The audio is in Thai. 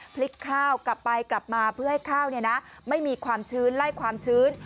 พลิกข้าวกลับไปกลับมาเพื่อให้ข้าวไม่มีความชื้นไล่ความชื้น